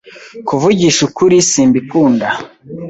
Kuvugisha ukuri, simbikunda.